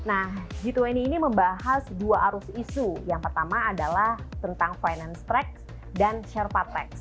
nah g dua puluh ini membahas dua arus isu yang pertama adalah tentang finance track dan sherpa tax